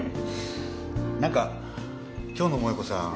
何か今日の萠子さん。